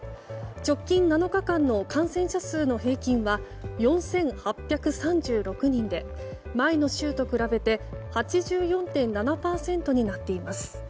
直近７日間の感染者数の平均は４８３６人で前の週と比べて８４．７％になっています。